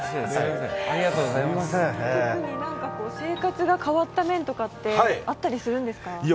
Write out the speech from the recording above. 生活が変わった面とかあったりするんですか？